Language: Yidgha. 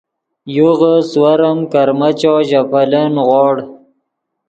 یوغے سیورم کرمیچو ژے پیلے نیغوڑ